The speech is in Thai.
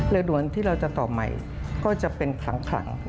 เรื่องโดยนที่เราจะต่อใหม่ก็จะเป็นขลัง